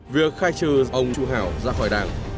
việc khai trừ ông chu hảo ra khỏi đảng